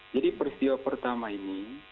jadi peristiwa pertama ini